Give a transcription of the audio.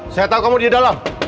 saya tahu kamu di dalam